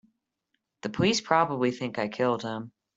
The police probably think I killed him.